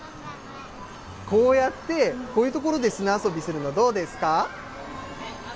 こうやって、こういう所で砂遊びするの、どうですか？